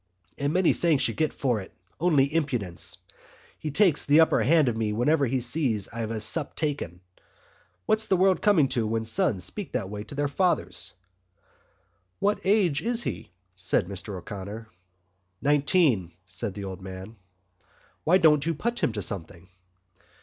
"And little thanks you get for it, only impudence. He takes th'upper hand of me whenever he sees I've a sup taken. What's the world coming to when sons speaks that way to their father?" "What age is he?" said Mr O'Connor. "Nineteen," said the old man. "Why don't you put him to something?"